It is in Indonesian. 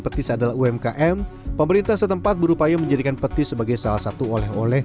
petis adalah umkm pemerintah setempat berupaya menjadikan petis sebagai salah satu oleh oleh